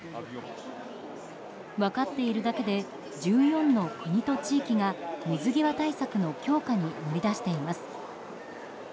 分かっているだけで１４の国と地域が水際対策の強化に乗り出しています。